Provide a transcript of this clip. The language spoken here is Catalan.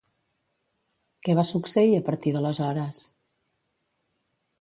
Què va succeir a partir d'aleshores?